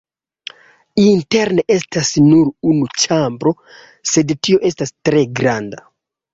Interne estas nur unu ĉambro, sed tio estas tre granda.